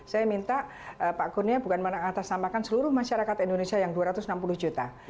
saya minta pak kurnia bukan mengatasnamakan seluruh masyarakat indonesia yang dua ratus enam puluh juta